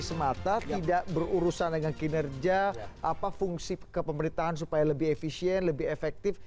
semata tidak berurusan dengan kinerja apa fungsi kepemerintahan supaya lebih efisien lebih efektif